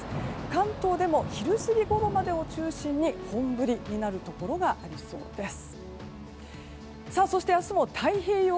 関東でも昼過ぎごろまでを中心に本降りになるところがありそうです。